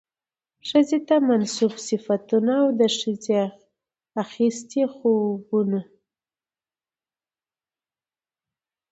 ښځې ته منسوب صفتونه او د ښځې اخىستي خوىونه